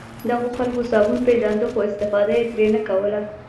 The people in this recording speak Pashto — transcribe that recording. دغو خلکو صابون پېژانده خو استفاده یې نه ترې کوله.